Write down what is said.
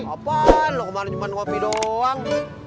apaan lu kemarin cuma kopi doang